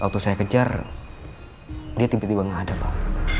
waktu saya kejar dia tiba tiba nggak ada pak